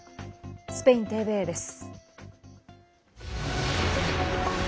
スペインＴＶＥです。